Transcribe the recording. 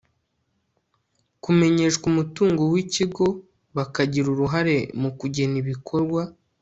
kumenyeshwa umutungo w'ikigo, bakagira uruhare mu kugena ibikorwa